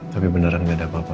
tapi beneran gak ada apa apa